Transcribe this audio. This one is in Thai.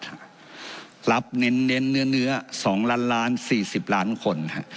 อยู่ที่หลับเง็นเหนือนึ๊อ๒๐๔ล้านคน